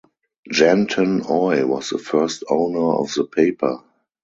Janton Oy was the first owner of the paper.